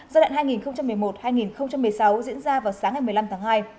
giai đoạn hai nghìn một mươi một hai nghìn một mươi sáu diễn ra vào sáng ngày một mươi năm tháng hai